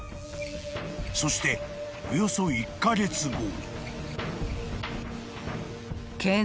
［そしておよそ１カ月後］